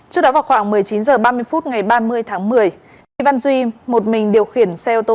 trước đó vào khoảng một mươi chín h ba mươi phút ngày ba mươi tháng một mươi vi văn duy một mình điều khiển xe ô tô